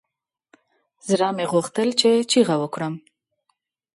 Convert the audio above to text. زړه مې غوښتل چې چيغه وکړم.